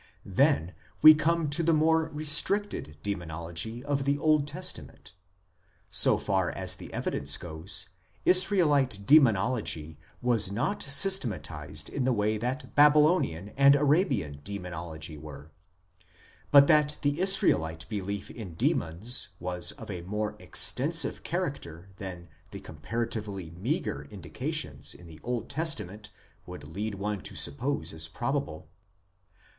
Then we come to the more restricted Demonology of the Old Testament. So far as the evidence goes, Israelite Demonology was not systematized in the way that Baby lonian and Arabian Demonology were ; but that the Israelite belief in demons was of a more extensive character than the comparatively meagre indications in the Old Testament would lead one to suppose is probable.